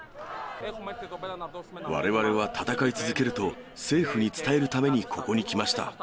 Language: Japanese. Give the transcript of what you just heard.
われわれは戦い続けると、政府に伝えるためにここに来ました。